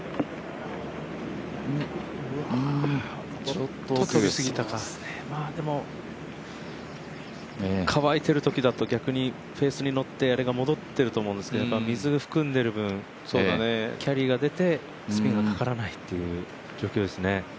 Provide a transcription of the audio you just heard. ちょっと飛びすぎたかでも乾いているときだとフェースに乗ってあれが戻ってくると思うんですけどやっぱ、水含んでる分キャリーが出てスピンがかからないという状況ですね。